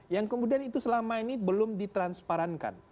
yang kemudian itu selama ini belum ditransparankan